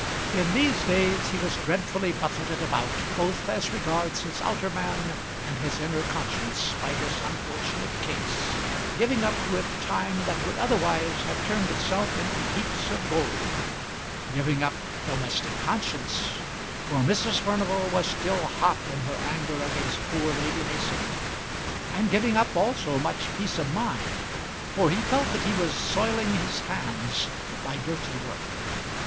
In these days he was dreadfully buffeted about both as regards his outer man and his inner conscience by this unfortunate case, giving up to it time that would otherwise have turned itself into heaps of gold; giving up domestic conscience for Mrs. Furnival was still hot in her anger against poor Lady Mason; and giving up also much peace of mind, for he felt that he was soiling his hands by dirty work.